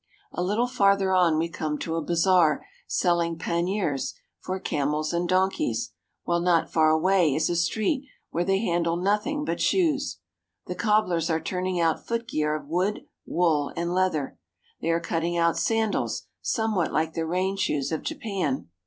A little farther on we come to a bazaar selling panniers for camels and donkeys, while not far away is a street where they handle nothing but shoes. The cobblers are turning out footgear of wood, wool, and leather. They are cutting out sandals somewhat like the rain shoes of Japan.